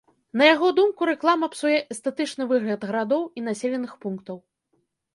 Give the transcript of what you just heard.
На яго думку, рэклама псуе эстэтычны выгляд гарадоў і населеных пунктаў.